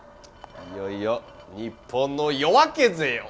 いよいよ日本の夜明けぜよ！